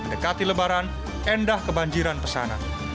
mendekati lebaran endah kebanjiran pesanan